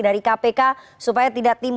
dari kpk supaya tidak tim